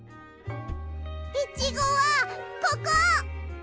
いちごはここ。